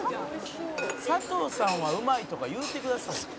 「佐藤さんはうまいとか言うてくださいよ」